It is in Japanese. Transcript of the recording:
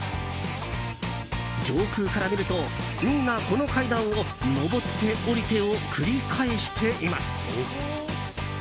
上空から見るとみんなこの階段を上って、下りてを繰り返しています。